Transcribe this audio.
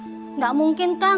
tidak mungkin kang